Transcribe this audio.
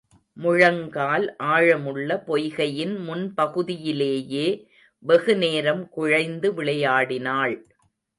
முழங்கால் ஆழமுள்ள பொய்கையின் முன்பகுதியிலேயே வெகு நேரம் குழைந்து விளையாடினாள்.